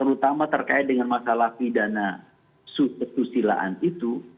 terutama terkait dengan masalah pidana kesusilaan itu